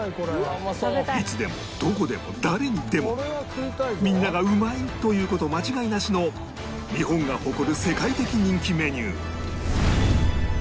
いつでもどこでも誰にでもみんなが「うまい！」と言う事間違いなしの日本が誇る世界的人気メニュー